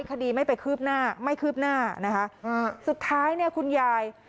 คดีไม่ไปคืบหน้าไม่คืบหน้านะคะสุดท้ายเนี่ยคุณยาย